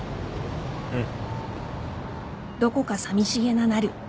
うん。